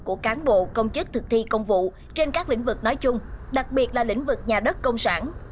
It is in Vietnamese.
của cán bộ công chức thực thi công vụ trên các lĩnh vực nói chung đặc biệt là lĩnh vực nhà đất công sản